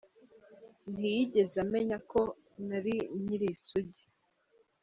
Ntiyigeze amenya ko nari nkiri isugi.